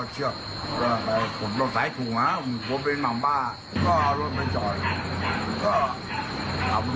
แจก็จะยกไว้หรือเปล่าหมาตัวใหญ่มันตับเลย